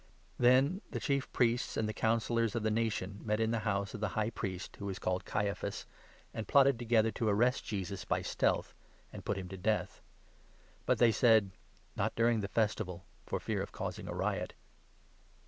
Then the Chief Priests and the Councillors of the Nation met 3 in the house of the High Priest, who was called Caiaphas, and 4 plotted together to arrest Jesus by stealth and put him to death ; but they said :" Not during the Festival, for fear of 5 causing a riot."